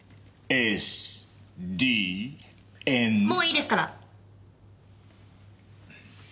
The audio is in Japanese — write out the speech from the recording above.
もういいですから！